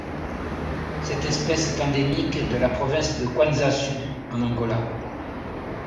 Cette espèce est endémique de la province de Kwanza-Sud en Angola.